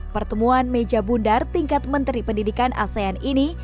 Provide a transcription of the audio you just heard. pertemuan meja bundar tingkat menteri pendidikan asean ini